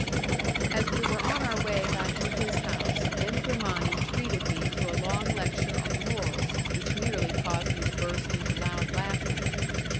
As we were on our way back to his house, M. Grimani treated me to a long lecture on morals, which nearly caused me to burst into loud laughter.